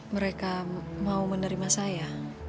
mereka mau menerima saya